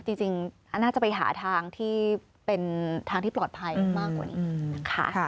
จริงน่าจะไปหาทางที่เป็นทางที่ปลอดภัยมากกว่านี้นะคะ